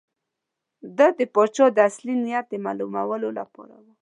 ده د پاچا د اصلي نیت د معلومولو لپاره.